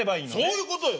そういうことよ。